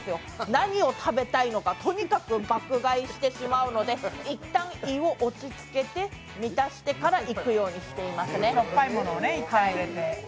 何を食べたいのか、とにかく爆買いしてしまうので、一旦、胃を落ち着けて、満たしてから行くようにしてますね。